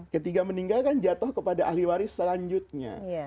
ketika meninggalkan jatuh kepada ahli waris selanjutnya